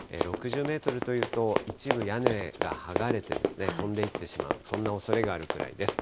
６０メートルというと、一部、屋根がはがれて飛んでいってしまう、そんなおそれがあるくらいです。